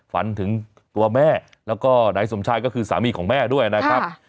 ฝันถึงตัวแม่แล้วก็นายสมชายก็คือสามีของแม่ด้วยนะครับ